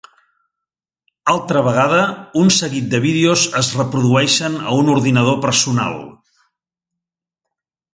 Altra vegada, un seguit de vídeos es reprodueixen a un ordinador personal.